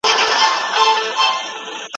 نه ملوک نه کوه قاف سته نه ښکلا سته په بدرۍ کي